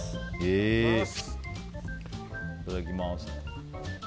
いただきます！